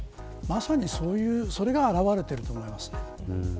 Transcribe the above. まさにそれが表れていると思います。